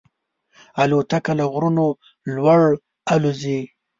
الوتکه له غرونو لوړ الوزي.